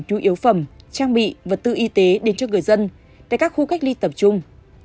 nhu yếu phẩm trang bị vật tư y tế đến cho người dân tại các khu cách ly tập trung